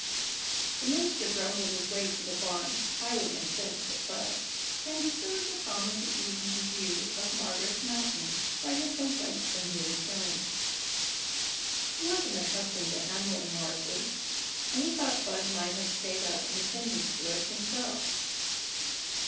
The minister grumbled his way to the barn, highly incensed at Bud, and disturbed the calm of the evening view of Margaret's mountain by his complaints when he returned. He wasn't accustomed to handling horses, and he thought Bud might have stayed up and attended to it himself.